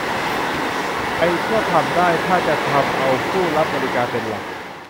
ไทยก็ทำได้ ถ้าจะทำ เอาผู้รับบริการเป็นหลัก